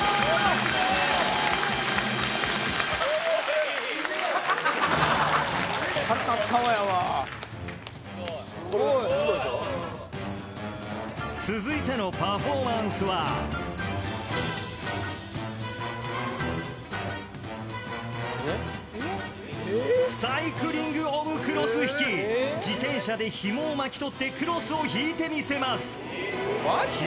すごい・すごいでしょ続いてのパフォーマンスはサイクリングオブクロス引き自転車でひもを巻き取ってクロスを引いてみせますマジ？